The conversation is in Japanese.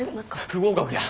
不合格や。